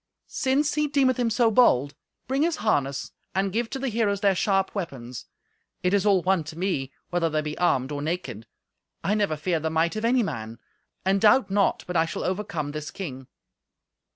"Since he deemeth him so bold, bring his harness, and give to the heroes their sharp weapons. It is all one to me whether they be armed or naked. I never feared the might of any man, and doubt not but I shall overcome this king."